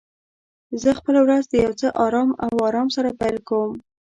زه خپل ورځ د یو څه آرام او آرام سره پیل کوم.